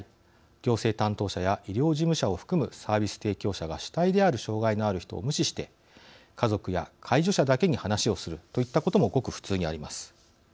行政担当者や医療従事者を含むサービス提供者が主体である障害のある人を無視して家族や介助者だけに話をするといったこともごく普通にあります。